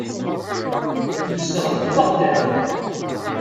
Nezdeɣ deg Beɣdad.